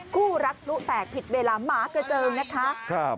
คู่รักพลุแตกผิดเวลาหมากระเจิงนะคะ